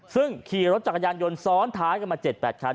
ซึ่งขี่รถจักรยานยนต์ซ้อนท้ายกันมา๗๘คัน